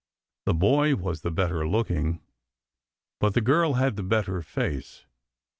The boy was the better looking, but the girl had the better face.